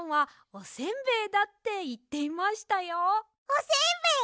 おせんべい！